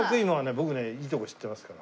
僕ねいいとこ知ってますから。